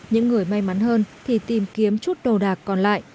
những người may mắn hơn thì tìm kiếm chút đồ đạc còn lại